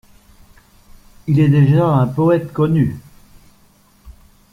Il est déjà un poète connu.